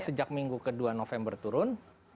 sejak minggu kedua november turun